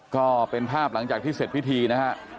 ก็เป็นภาพหลังจากที่เสร็จพิธีนะฮะ